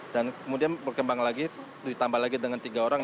dan kemudian berkembang lagi ditambah lagi dengan tiga orang